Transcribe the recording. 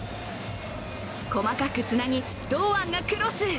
細かくつなぎ堂安がクロス。